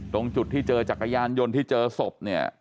ตรงจุดที่เจอจักรยานยนต์ที่เจอศพเนี่ย